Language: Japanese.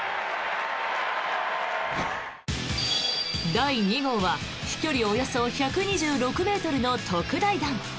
第２号は飛距離およそ１２６ｍの特大弾。